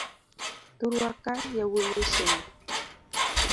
Thurwa ka yawuoi osomo.